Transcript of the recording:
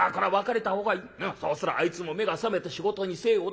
そうすりゃあいつも目が覚めて仕事に精を出す。